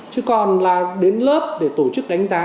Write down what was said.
chứ còn là đến lớp để tổ chức đánh giá